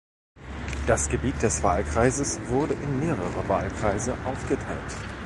Das Gebiet des Wahlkreises wurde in mehrere Wahlkreise aufgeteilt.